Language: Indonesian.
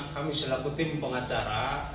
kami selaku tim pengacara